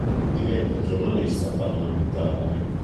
Diventa giornalista parlamentare.